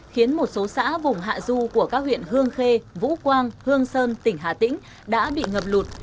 khiến một số xã vùng hạ du của các huyện hương khê vũ quang hương sơn tỉnh hà tĩnh đã bị ngập lụt